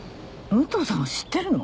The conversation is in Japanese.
武藤さんを知ってるの？